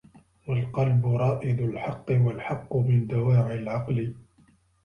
وَالْقَلْبَ رَائِدُ الْحَقِّ وَالْحَقَّ مِنْ دَوَاعِي الْعَقْلِ